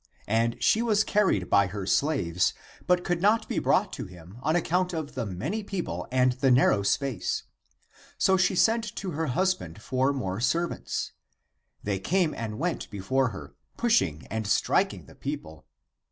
And she was carried by her slaves, but could not be brought to him on account of the many people and the narrow space. So she sent to her husband for more servants. They came and went before her, pushing and striking the people.